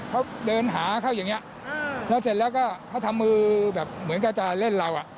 เขาเดินหาเขาอย่างนี้แล้วเสร็จแล้วก็เขาทำมือแบบเหมือนกันจะเล่นเราอ่ะ